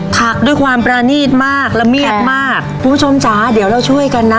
ผักด้วยความประนีตมากละเมียดมากคุณผู้ชมจ๋าเดี๋ยวเราช่วยกันนะ